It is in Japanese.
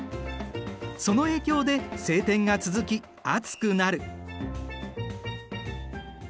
その影響で晴天が続き暑くなる。